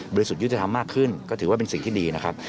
สุทธิธรรมมากขึ้นก็ถือว่าเป็นสิ่งที่ดีนะครับ